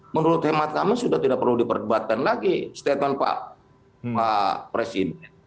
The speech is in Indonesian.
menurut hemat kami sudah tidak perlu diperdebatkan lagi statement pak presiden